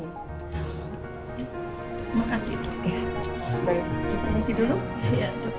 terima kasih dok